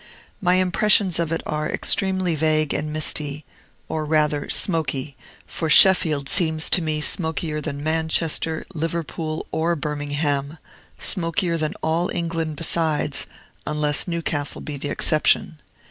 My impressions of it are extremely vague and misty, or, rather, smoky: for Sheffield seems to me smokier than Manchester. Liverpool, or Birmingham, smokier than all England besides, unless Newcastle be the exception.